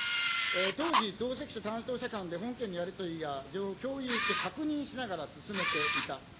当時、同席者、担当者間で本件のやり取りが共有して確認しながら進めていた。